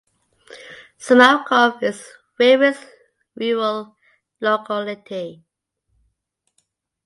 Sumarokov is the nearest rural locality.